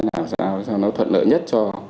làm sao nó thuận lợi nhất cho